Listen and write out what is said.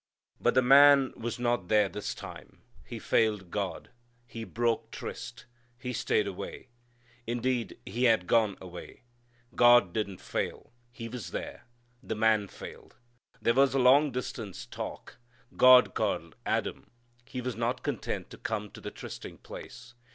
But the man was not there this time. He failed God. He broke tryst. He stayed away. Indeed he had gone away. God didn't fail. He was there. The man failed. They had a long distance talk. God called Adam. He was not content to come to the trysting place.